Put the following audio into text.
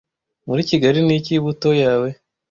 Muri kigali niki Buto yawe